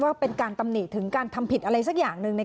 ว่าเป็นการตำหนิถึงการทำผิดอะไรสักอย่างหนึ่ง